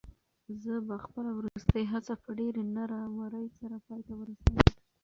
زه به خپله وروستۍ هڅه په ډېرې نره ورۍ سره پای ته ورسوم.